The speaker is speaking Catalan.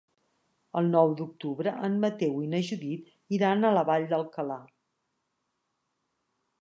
El nou d'octubre en Mateu i na Judit iran a la Vall d'Alcalà.